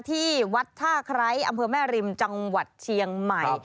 ที่วัดท่าไคร้อำเภอแม่ริมจังหวัดเชียงใหม่